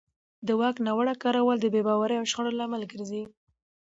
د واک ناوړه کارول د بې باورۍ او شخړو لامل ګرځي